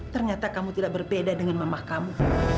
ternyata kamu tidak berbeda dengan mamah kamu